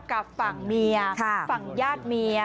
กับฝั่งเมียฝั่งญาติเมีย